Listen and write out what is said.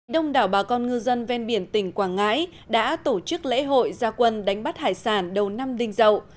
đông đảo bà con ngư dân ven biển tỉnh quảng ngãi đã tổ chức lễ hội gia quân đánh bắt hải sản đầu năm đình dậu